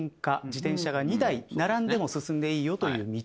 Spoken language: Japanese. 自転車が２台並んでも進んでいいよという道。